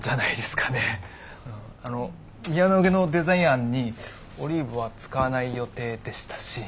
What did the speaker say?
あの宮野花のデザイン案にオリーブは使わない予定でしたし。